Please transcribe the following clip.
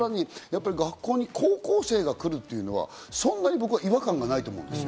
学校に高校生が来るというのは、そんなに違和感がないと思うんです。